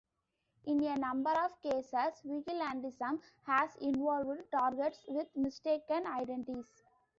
In a number of cases, vigilantism has involved targets with mistaken identities.